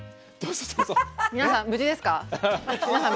皆さん、無事ですか？